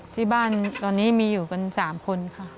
ที่บ้านตอนนี้มีอยู่กัน๓คนค่ะ